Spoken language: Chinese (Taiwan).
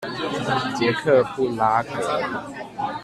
捷克布拉格